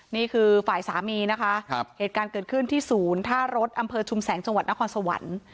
นี่คือฝ่ายสามีนะคะเหตุการณ์เกิดขึ้นที่ศูนย์ท่ารถอำเภอชุมแสงจังหวัดนครสวรรค์